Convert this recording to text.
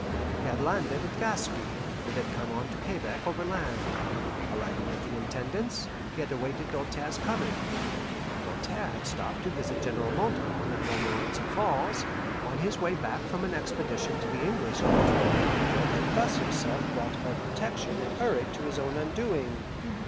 He had landed at Gaspe, and had come on to Quebec overland. Arriving at the Intendance, he had awaited Doltaire's coming. Doltaire had stopped to visit General Montcalm at Montmorenci Falls, on his way back from an expedition to the English country, and had thus himself brought my protection and hurried to his own undoing.